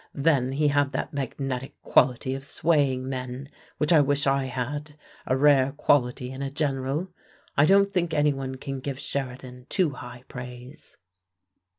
Then he had that magnetic quality of swaying men, which I wish I had, a rare quality in a general. I don't think anyone can give Sheridan too high praise."